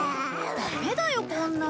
ダメだよこんなの。